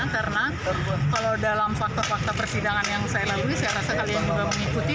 karena kalau dalam fakta fakta persidangan yang saya lalui saya rasa kalian juga mengikuti